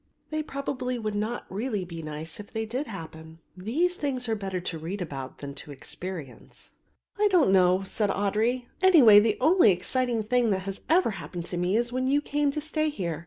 "They probably would not really be nice if they did happen. These things are better to read about than to experience." "I don't know," said Audry; "anyway, the only exciting thing that ever happened to me was when you came to stay here.